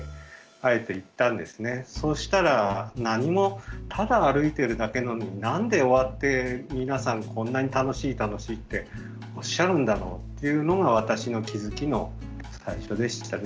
そしたら何もただ歩いてるだけなのに何で終わって皆さんこんなに楽しい楽しいっておっしゃるんだろうっていうのが私の気付きの最初でしたね。